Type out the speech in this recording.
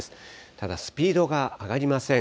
ただ、スピードが上がりません。